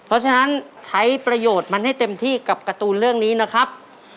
เพราะฉะนั้นใช้ประโยชน์มันให้เต็มที่กับการ์ตูนเรื่องนี้นะครับ